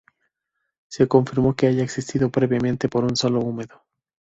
Se confirmó que haya existido previamente por un solo húmero.